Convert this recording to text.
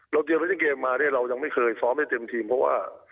เตรียมเล่นเกมมาเนี่ยเรายังไม่เคยซ้อมให้เต็มทีมเพราะว่า